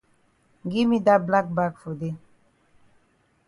Gi me dat black bag for dey.